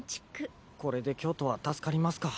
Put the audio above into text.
これで京都は助かりますか。